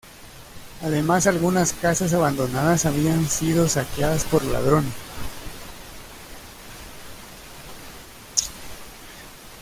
Además, algunas casas abandonadas habían sido saqueadas por ladrones.